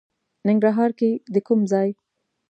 ننګرهار کې د کوم ځای؟